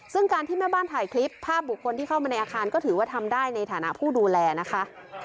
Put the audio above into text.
ซึ่งการที่แม่บ้านถ่ายคลิปภาพบุคคลที่เข้ามาในอาคารก็ถือว่าทำได้ในฐานะผู้ดูแลนะคะ